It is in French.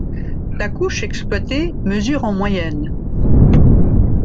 La couche exploitée mesure en moyenne.